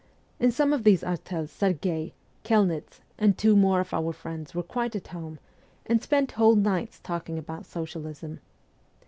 In some of these arttls Sergh6i, Kelnitz, and a couple more of our friends were quite at home, and spent whole nights talking about socialism.